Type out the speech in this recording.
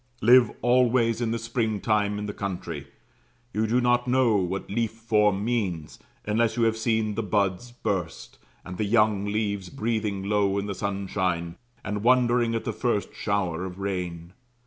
Live always in the springtime in the country; you do not know what leaf form means, unless you have seen the buds burst, and the young leaves breathing low in the sunshine, and wondering at the first shower of rain.